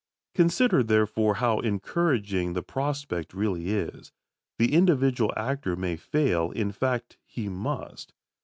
Consider, therefore, how encouraging the prospect really is. The individual actor may fail in fact, he must.